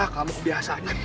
kamu kebiasa aja